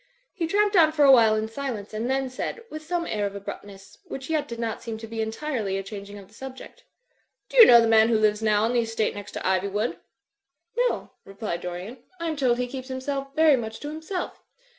He tramped on for a while in silence and then said, with some air of abruptness, which yet did not seem to be entirely a changing of the subject, *'Do you know the man who lives now on the estate next to Iv3rwood?" ''No/' replied Dorian, "I am told he keeps himself very much to himself."